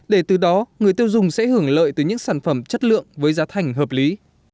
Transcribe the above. để từ đó người tiêu dùng sẽ hưởng lợi từ những sản phẩm chất lượng với giá thành hợp lý